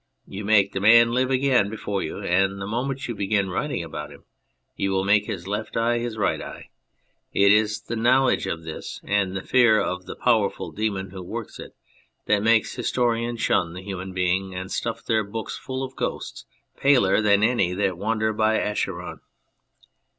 You make the man live again before you, and the moment you begin writing about him you will make his left eye his right eye. It is the knowledge of this, and the fear of the powerful Demon who works it, that makes historians shun the human being and stuff their books full of ghosts paler than any that wander by Acheron.